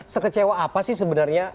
sekecewa apa sih sebenarnya